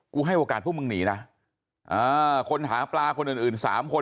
ให้โอกาสพวกมึงหนีนะคนหาปลาคนอื่นอื่นสามคน